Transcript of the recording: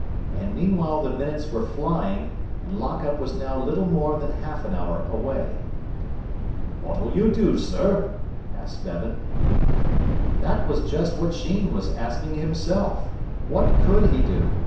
And meanwhile the minutes were flying, and lock up was now little more than half an hour away. "What'll you do, sir?" asked Bevan. That was just what Sheen was asking himself. What could he do?